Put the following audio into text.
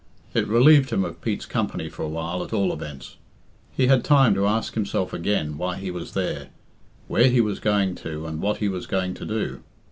It relieved him of Pete's company for a while, at all events. He had time to ask himself again why he was there, where he was going to, and what he was going to do.